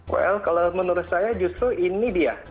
well kalau menurut saya justru ini dia